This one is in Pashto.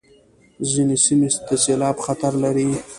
ځینې سیمې د سېلاب خطر لري.